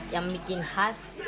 yang bikin khas